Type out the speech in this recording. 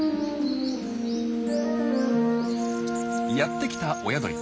やってきた親鳥。